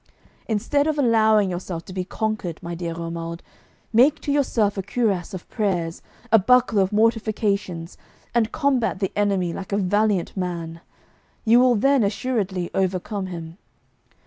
Instead of allowing yourself to be conquered, my dear Romuald, make to yourself a cuirass of prayers, a buckler of mortifications, and combat the enemy like a valiant man; you will then assuredly overcome him.